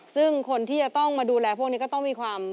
ซึ่งคนที่จะต้องมาดูแลพวกนี้ก็ต้องมีความ